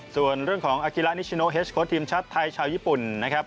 ส่วนเรื่องของอากิระนิชโนเฮสโค้ชทีมชาติไทยชาวญี่ปุ่นนะครับ